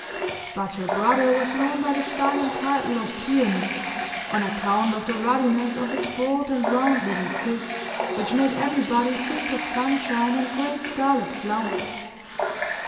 But her brother was known by the style and title of Peony, on account of the ruddiness of his broad and round little phiz, which made everybody think of sunshine and great scarlet flowers.